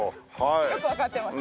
よくわかってますね。